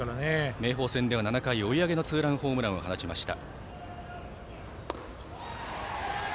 明豊戦では追い上げのツーランホームランを放ちました。